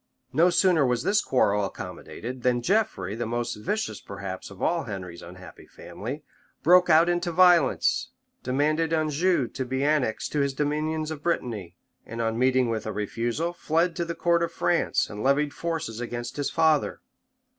No sooner was this quarrel accommodated, than Geoffrey, the most vicious perhaps of all Henry's unhappy family, broke out into violence; demanded Anjou to be annexed to his dominions of Brittany; and on meeting with a refusal, fled to the court of France, and levied forces against his father.